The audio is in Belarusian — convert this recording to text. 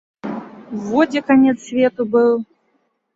Во дзе канец свету быў!